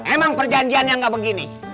emang perjanjiannya gak begini